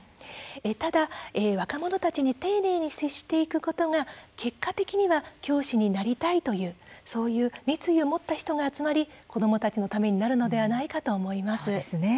ただ若者たちに丁寧に接していくことが結果的には教師になりたいという熱意を持った人が集まり子どもたちのためになるのではないかと思います。